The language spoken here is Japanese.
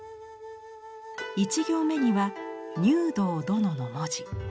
１行目には「入道殿」の文字。